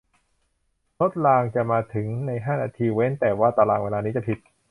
รถรางจะมาถึงในห้านาทีเว้นแต่ว่าตารางเวลานี้จะผิด